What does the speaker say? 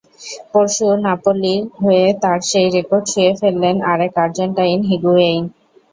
পরশু নাপোলির হয়ে তাঁর সেই রেকর্ড ছুঁয়ে ফেললেন আরেক আর্জেন্টাইন হিগুয়েইন।